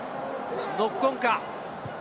ノックオンか？